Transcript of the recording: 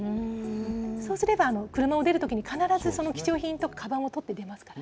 そうすれば車を出るときに、必ずその貴重品とかばんを取って出ますからね。